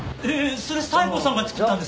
それ西郷さんが作ったんですか？